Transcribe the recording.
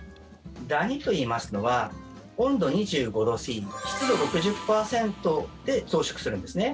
ダニといいますのは温度２５度過ぎ、湿度６０％で増殖するんですね。